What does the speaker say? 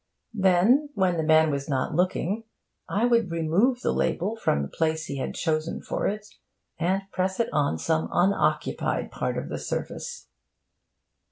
Then, when the man was not looking, I would remove the label from the place he had chosen for it and press it on some unoccupied part of the surface.